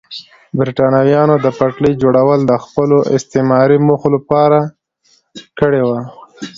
برېټانویانو د پټلۍ جوړول د خپلو استعماري موخو لپاره کړي وو.